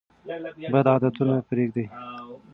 بد عادتونه پریږدئ.